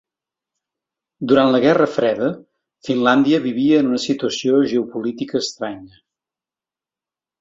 Durant la guerra freda, Finlàndia vivia en una situació geopolítica estranya.